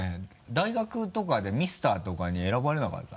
大学とかでミスターとかに選ばれなかった？